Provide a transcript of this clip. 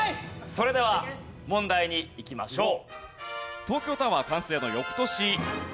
それでは問題にいきましょう。